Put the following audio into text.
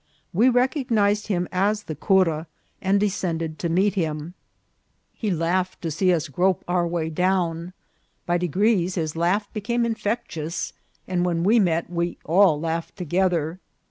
We recognised him as the cura, and descended to meet him. He laughed to see us grope A CLERICAL ODDITV. 181 our way down; by degrees his laugh became infec tious, and when we met we all laughed together.